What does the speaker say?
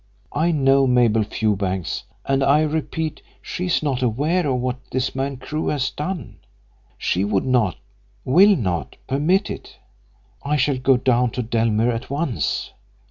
I know Mabel Fewbanks, and I repeat, she is not aware of what this man Crewe has done. She would not will not, permit it. I shall go down to Dellmere at once."